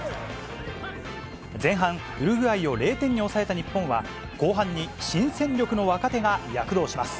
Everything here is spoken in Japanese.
前半、ウルグアイを０点に抑えた日本は、後半に新戦力の若手が躍動します。